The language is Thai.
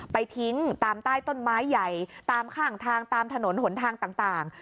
ไปทิ้งตามใต้ต้นไม้ใหญ่ตามข้างทางตามถนนหนทางต่าง